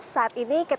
saat ini ketika